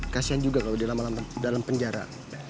kasian juga kalau dia lama lama dalam penjara